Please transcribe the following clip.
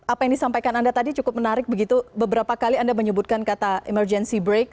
apa yang disampaikan anda tadi cukup menarik begitu beberapa kali anda menyebutkan kata emergency break